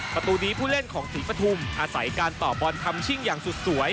ประตูนี้ผู้เล่นของศรีปฐุมอาศัยการต่อบอลทำชิ่งอย่างสุดสวย